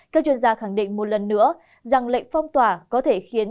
các chuyên gia khẳng định một lần nữa rằng lệnh phong tỏa có thể khiến